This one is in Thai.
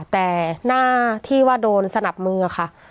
แต่หน้าที่ว่าโดนสนับมือค่ะ